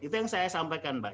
itu yang saya sampaikan mbak